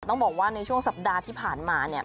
ต้องบอกว่าในช่วงสัปดาห์ที่ผ่านมาเนี่ย